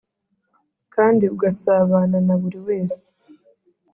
kandi ugasabana na buriwese